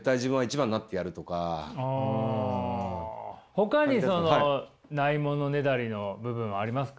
ほかに無いものねだりの部分はありますか？